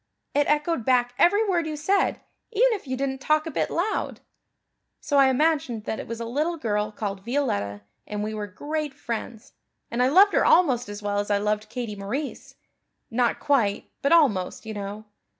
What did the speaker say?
It echoed back every word you said, even if you didn't talk a bit loud. So I imagined that it was a little girl called Violetta and we were great friends and I loved her almost as well as I loved Katie Maurice not quite, but almost, you know.